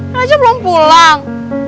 raja belum pulang